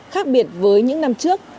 khác biệt với những năm trước